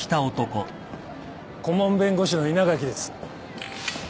顧問弁護士の稲垣です。